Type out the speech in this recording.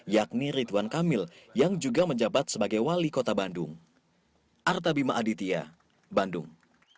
yakni ridwan kamil yang juga menjabat sebagai wali kota bandung